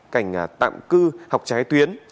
cảnh tạm cư hoặc trái tuyến